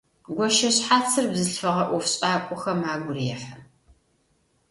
Гощэшъхьацыр бзылъфыгъэ ӏофшӏакӏохэм агу рехьы.